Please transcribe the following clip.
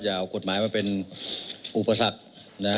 อย่าเอากฎหมายมาเป็นอุปสรรคนะฮะ